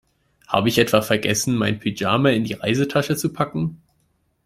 Habe ich etwa vergessen, meinen Pyjama in die Reisetasche zu packen?